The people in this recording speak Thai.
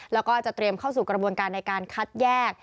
แล้วก็จะเตรียมเข้าสู่กระบวนการในการคัดแยก